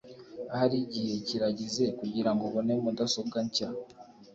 ahari igihe kirageze kugirango ubone mudasobwa nshya